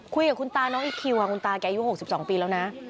คุยกับคุณตาน้องอีกคิวค่ะคุณตาแกอายุ๖๒ปีแล้วนะ